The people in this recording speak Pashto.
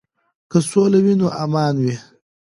که سوله وي نو امان وي.